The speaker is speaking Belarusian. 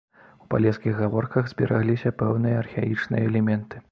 У палескіх гаворках зберагліся пэўныя архаічныя элементы.